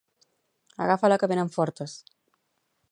Agafa-la que vénen fortes